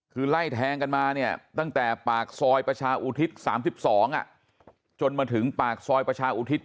คือไล่แทงกันมาเนี่ยตั้งแต่ปากซอยประชาอุทิศ๓๒จนมาถึงปากซอยประชาอุทิศ